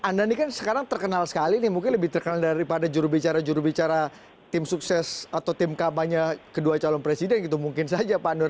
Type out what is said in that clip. anda ini kan sekarang terkenal sekali nih mungkin lebih terkenal daripada jurubicara jurubicara tim sukses atau tim kampanye kedua calon presiden gitu mungkin saja pak nur